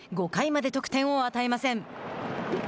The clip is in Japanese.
５回まで得点を与えません。